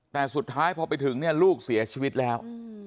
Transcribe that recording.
แต่สุดท้ายพอไปถึงเนี่ยลูกเสียชีวิตแล้ว